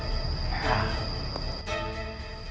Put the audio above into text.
dalam hal kesulitan apapun